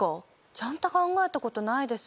ちゃんと考えたことないです。